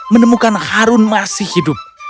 menemukan harun masih hidup